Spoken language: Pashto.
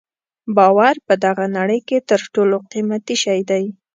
باور په دغه نړۍ کې تر ټولو قیمتي شی دی.